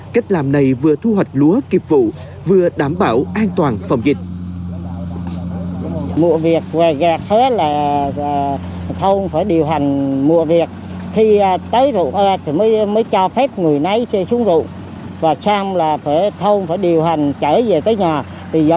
các dân thu hoạch xuống đồng cùng nông dân khuẩn vác vận chuyển về đến tận nhà